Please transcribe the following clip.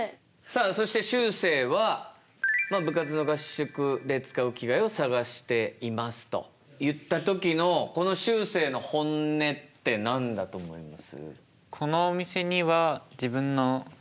さあそしてしゅうせいは「部活の合宿でつかう着がえをさがしています」と言った時のこのしゅうせいの本音って何だと思います？